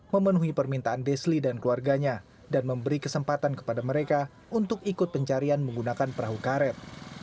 memenuhi permintaan desli dan keluarganya dan memberi kesempatan kepada mereka untuk ikut pencarian menggunakan perahu karet